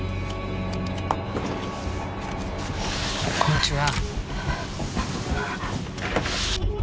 こんにちは。